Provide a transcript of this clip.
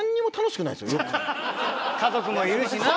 家族もいるしな。